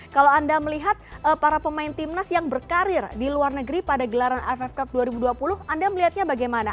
kalau anda melihat para pemain timnas yang berkarir di luar negeri pada gelaran aff cup dua ribu dua puluh anda melihatnya bagaimana